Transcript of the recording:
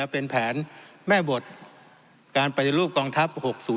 เป็นแผนแม่บทการปฏิรูปกองทัพ๖๐